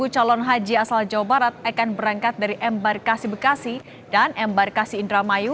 empat puluh calon haji asal jawa barat akan berangkat dari embar kasi bekasi dan embar kasi indramayu